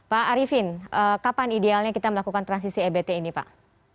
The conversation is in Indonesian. pak arifin kapan idealnya kita melakukan transisi ebt ini pak